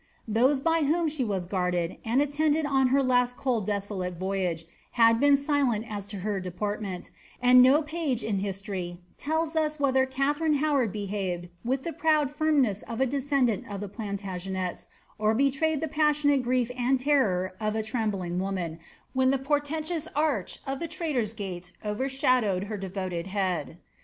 Those by whom she was guarded and attended on her last cold deso late voyage have been silent as to her deportment ; and no page in hit* tory tells us whether Kathaiine Howard behaved with the proud fina ness of a descendant of the Plantagenets, or betrayed the passionaie grief and terror of a trembling woman, when the portentous arch of the traitor's gate overshadowed her devoted head.